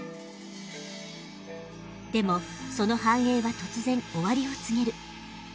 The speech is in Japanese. でもその繁栄は突然終わりを告げる。